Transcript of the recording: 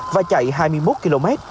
và chạy hai mươi một km